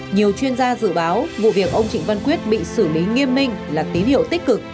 nhiều chuyên gia dự báo vụ việc ông trịnh văn quyết bị xử lý nghiêm minh là tín hiệu tích cực